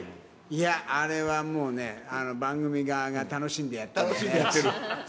いや、あれはもうね、番組側が楽しんでやってんだね。